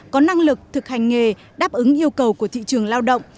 có năng lực thực hành nghề đáp ứng yêu cầu của thị trường lao động